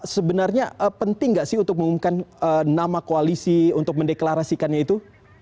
sebenarnya penting nggak sih untuk mengumumkan nama koalisi untuk mendeklarasikannya itu